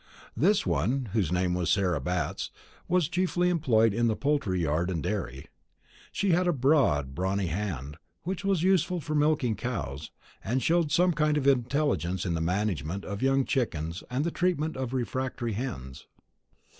This one, whose name was Sarah Batts, was chiefly employed in the poultry yard and dairy. She had a broad brawny hand, which was useful for the milking of cows, and showed some kind of intelligence in the management of young chickens and the treatment of refractory hens.